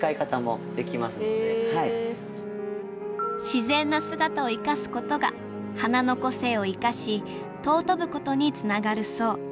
自然な姿をいかすことが花の個性をいかし尊ぶことにつながるそう。